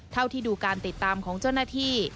เท่าที่ดูการติดตามของเจ้าหน้าที่